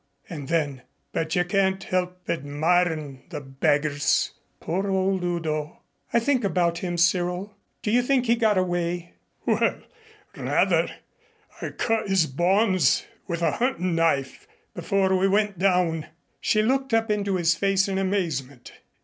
And then, "But you can't help admirin' the beggars! Poor old Udo!" "I think about him, Cyril. Do you think he got away?" "Well, rather! I cut his bonds with a huntin' knife before we went down." She looked up into his face in amazement.